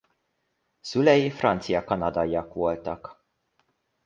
Szülei francia-kanadaiak voltak.